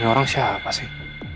ini orang siapa sih